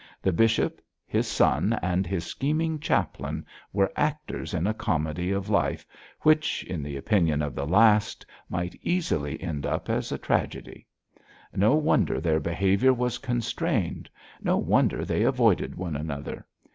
The bishop, his son and his scheming chaplain were actors in a comedy of life which in the opinion of the last might easily end up as a tragedy. No wonder their behaviour was constrained, no wonder they avoided one another.